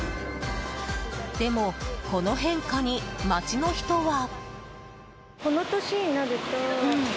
でも、この変化に街の人は。